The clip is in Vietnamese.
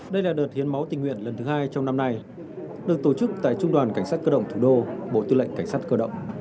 đây là đợt hiến máu tình nguyện lần thứ hai trong năm nay được tổ chức tại trung đoàn cảnh sát cơ động thủ đô bộ tư lệnh cảnh sát cơ động